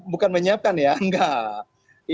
bukan menyiapkan ya enggak